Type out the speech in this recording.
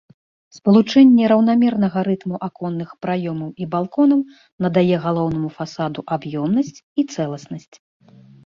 Спалучэнне раўнамернага рытму аконных праёмаў і балконаў надае галоўнаму фасаду аб'ёмнасць і цэласнасць.